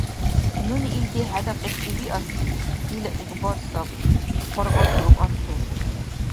Нуни илди хӀедакьибси виасри, дила игъбар сабри, – паргъатиуб Анту.